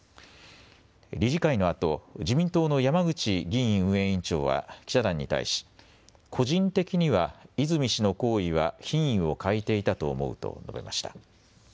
理事会のあと自民党の山口議院運営委員長は記者団に対し個人的には泉氏の行為は品位を欠いていたと思うと述べました。